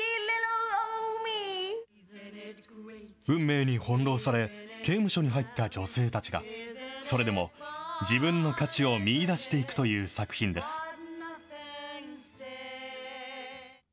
運命に翻弄され、刑務所に入った女性たちが、それでも自分の価値を見いだしていくという作品です。